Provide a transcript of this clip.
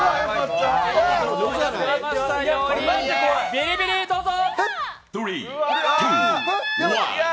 ビリビリどうぞ。